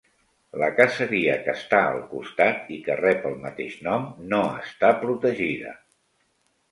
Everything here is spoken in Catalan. La caseria que està al costat, i que rep el mateix nom, no està protegida.